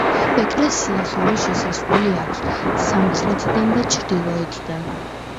ეკლესიას ორი შესასვლელი აქვს: სამხრეთიდან და ჩრდილოეთიდან.